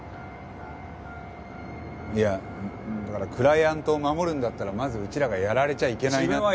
いやだからクライアントを護るんだったらまずうちらがやられちゃいけないなって。